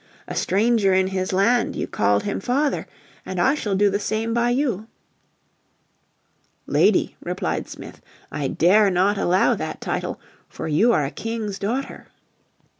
"A stranger in his land you called him father, and I shall do the same by you." "Lady," replied Smith, "I dare not allow that title, for you are a King's daughter."